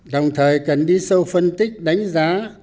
đồng thời cần đi sâu phân tích đánh giá